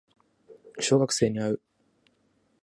小学生に会う